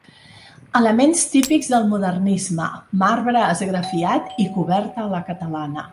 Elements típics del modernisme, marbre esgrafiat i coberta a la catalana.